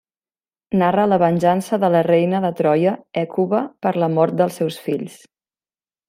Narra la venjança de la reina de Troia, Hècuba per la mort dels seus fills.